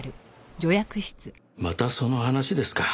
またその話ですか。